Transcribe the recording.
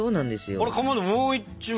あれかまどもう１枚。